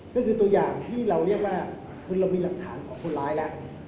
ก็คือตัวอย่างที่เราเรียกว่าคือเรามีหลักฐานของคนร้ายแล้ว